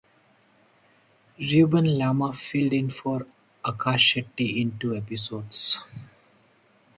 Reuben Lama filled in for Akash Shetty in two episodes.